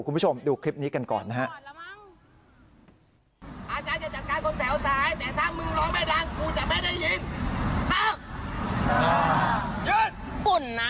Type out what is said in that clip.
คุณผู้ชมดูคลิปนี้กันก่อนนะฮะ